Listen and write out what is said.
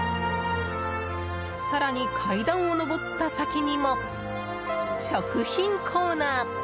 更に階段を上った先にも食品コーナー。